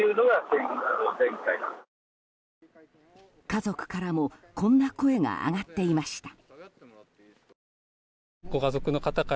家族からもこんな声が上がっていました。